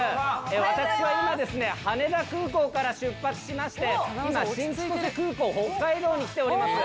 私は今ですね羽田空港から出発しまして今新千歳空港北海道に来ております。